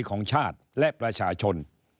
ของชาติและประชาชน